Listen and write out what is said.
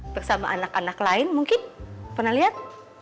bersama anak anak lain mungkin pernah lihat